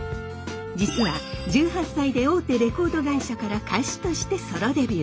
実は１８歳で大手レコード会社から歌手としてソロデビュー。